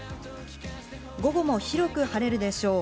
午後も広く晴れるでしょう。